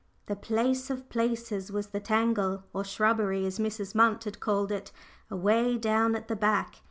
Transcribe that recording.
The place of places was the tangle, or shrubbery, as Mrs. Munt had called it, away down at the back.